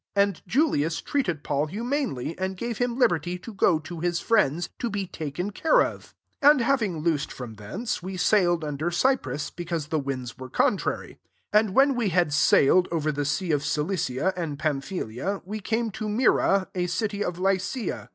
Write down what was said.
And Julius treated Paul humanely, and gave Aim liberty to go to his triends, to be taken care of. 4 ^d having loosed from thence, fre sailed under Cyprus, be cause the winds were contrary. |> And when we had sailed over the sea of Cilicia and Pamphyl iia, we came to Myra, a city of Lycia.